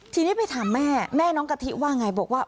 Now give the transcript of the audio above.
ทีนี้ไปถามแม่แม่น้องกะทิว่าไงบอกว่า